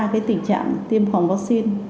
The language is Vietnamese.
cái tình trạng tiêm phòng vaccine